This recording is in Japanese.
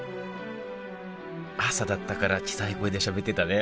朝だったから小さい声でしゃべってたね